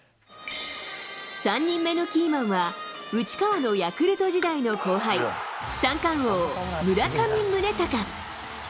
３人目のキーマンは、内川のヤクルト時代の後輩、三冠王、村上宗隆。